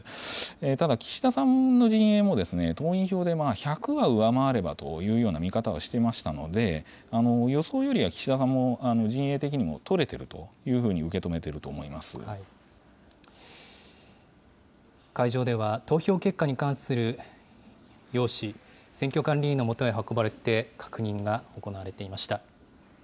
ただ岸田さんの陣営も、党員票で１００は上回ればというような見方はしていましたので、予想よりは岸田さんも、陣営的にも取れてるというふうに受け止めていると会場では、投票結果に関する用紙、選挙管理委員のもとへ運ばれて確認が行われていました。